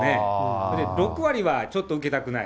それで６割はちょっと受けたくない。